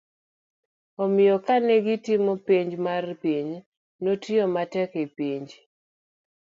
omiyo kane gitimo penj mar piny, notiyo matek e penj